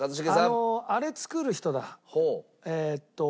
あのあれ作る人だ。